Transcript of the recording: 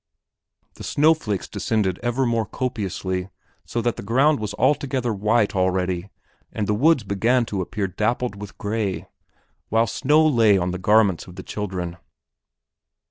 The snow flakes descended ever more copiously so that the ground was altogether white already and the woods began to appear dappled with gray, while snow lay on the garments of the children.